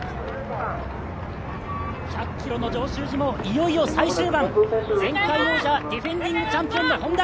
１００ｋｍの上州路もいよいよ最終盤前回王者、ディフェンディングチャンピオンのＨｏｎｄａ。